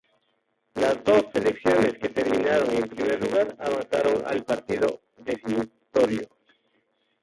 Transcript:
Las dos selecciones que terminaron en primer lugar avanzaron al partido definitorio.